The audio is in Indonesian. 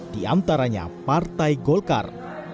di antaranya partai golkar